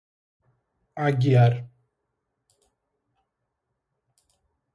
Aguiar